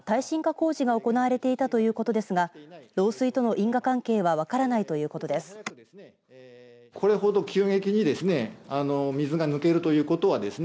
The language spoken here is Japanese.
一方、現場近くでは耐震化工事が行われていたということですが漏水との因果関係は分からないということです。